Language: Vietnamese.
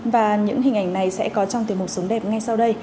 và những hình ảnh này sẽ có trong tiềm mục sống đẹp ngay sau đây